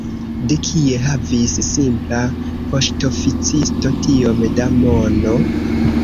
De kie havis simpla poŝtoficisto tiom da mono?